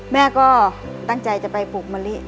แม่ก็ตั้งใจจะไปปลูกมะลิ